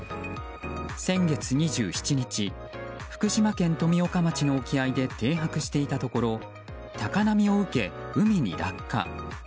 先月２７日福島県富岡町の沖合で停泊していたところ高波を受け、海に落下。